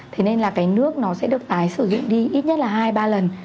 thế nên là cái nước nó sẽ được tái sử dụng đi ít nhất là hai ba lần